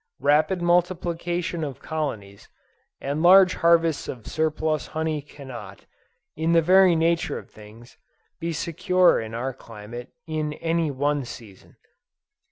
Rapid multiplication of colonies, and large harvests of surplus honey cannot, in the very nature of things, be secure in our climate, in any one season.